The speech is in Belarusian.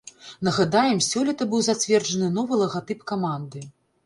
Нагадаем, сёлета быў зацверджаны новы лагатып каманды.